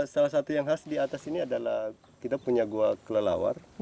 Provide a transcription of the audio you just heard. salah satu yang khas di atas ini adalah kita punya gua kelelawar